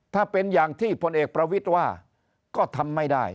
ถ้าเป็นอย่างที่พลเอกประวิทย์ว่าก็ทำไม่ได้